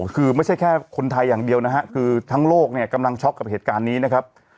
คือไม่ใช่แค่คนไทยอย่างเดียวนะฮะคือทั้งโลกเนี่ยกำลังช็อกกับเหตุการณ์นี้นะครับ